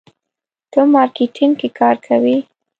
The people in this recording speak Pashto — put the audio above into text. ته مارکیټینګ کې کار کوې.